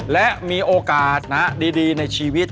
และมีโอกาสดีในชีวิต